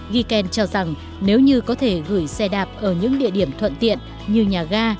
giken cho rằng nếu như có thể gửi xe đạp ở những địa điểm thuận tiện như nhà ga